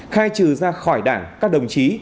khai trừ ra khỏi đảng các đồng chí